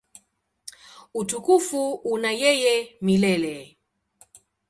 Utukufu una yeye milele.